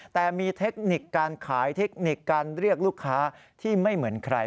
แต่มีเทคนิคการขายเทคนิคการเรียกลูกค้าที่ไม่เหมือนใคร